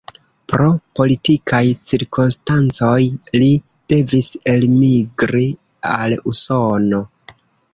Pro politikaj cirkonstancoj li devis elmigri al Usono.